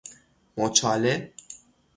مچاله